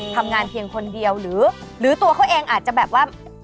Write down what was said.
ทำงานเพียงคนเดียวหรือตัวเขาเองอาจจะแบบว่า